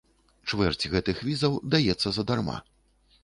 Чвэрць гэтых візаў даецца задарма.